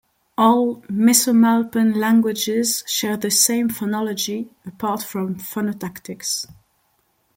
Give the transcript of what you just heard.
All Misumalpan languages share the same phonology, apart from phonotactics.